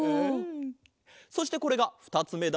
そしてこれがふたつめだ。